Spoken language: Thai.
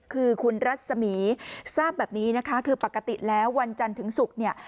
คือคุณรัศมีร์ทราบแบบนี้นะคะคือปกติแล้ววันจันทร์ถึงศุกร์เนี่ย